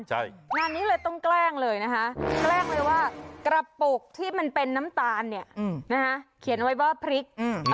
งานนี้เลยต้องแกล้งเลยนะคะแกล้งเลยว่ากระปุกที่มันเป็นน้ำตาลเนี่ยนะคะเขียนเอาไว้ว่าพริก